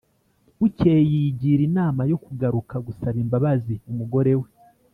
Bukeye yigira inama yo kugaruka gusaba imbabazi umugore we.